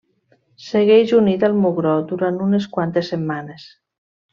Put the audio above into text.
Segueix unit al mugró durant unes quantes setmanes.